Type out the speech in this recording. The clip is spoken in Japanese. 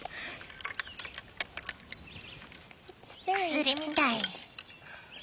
薬みたい。